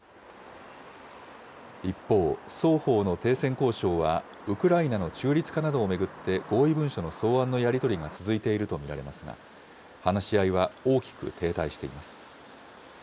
一方、双方の停戦交渉はウクライナの中立化などを巡って、合意文書の草案のやり取りが続いていると見られますが、話し合いは大きく停滞しています。